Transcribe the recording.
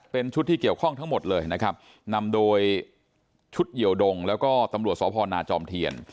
เป็นชุดที่เกี่ยวข้องทั้งหมดเลยนะครับนำโดยชุดเหี่ยวดงแล้วก็ตำรวจสพนาจอมเทียน